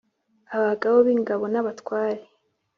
abagaba b'ingabo n'abatware